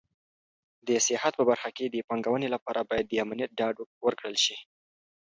د سیاحت په برخه کې د پانګونې لپاره باید د امنیت ډاډ ورکړل شي.